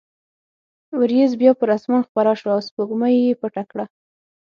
وریځ بیا پر اسمان خپره شوه او سپوږمۍ یې پټه کړه.